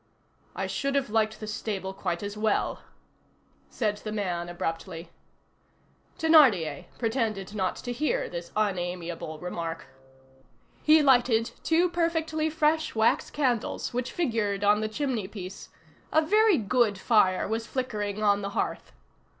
"I should have liked the stable quite as well," said the man, abruptly. Thénardier pretended not to hear this unamiable remark. He lighted two perfectly fresh wax candles which figured on the chimney piece. A very good fire was flickering on the hearth.